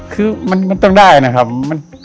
คือมันต้องได้นะครับ